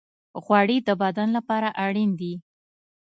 غوړې د بدن لپاره اړین دي.